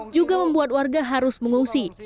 juga membuat warga harus mengungsi